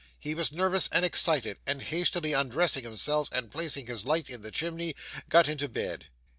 He was nervous and excited; and hastily undressing himself and placing his light in the chimney, got into bed.